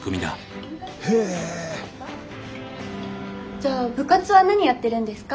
じゃあ部活は何やってるんですか？